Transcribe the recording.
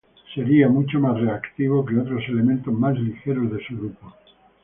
Sería mucho más reactivo que otros elementos más ligeros de su grupo.